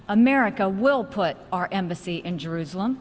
amerika akan menempatkan embasi kita di yerusalem